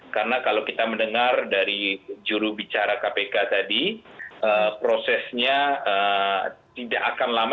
karena kalau kita mendengar dari jurubicara kpk tadi prosesnya tidak akan lama